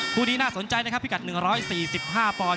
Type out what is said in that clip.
คู่นี้น่าสนใจนะครับพิกัด๑๔๕ปอนด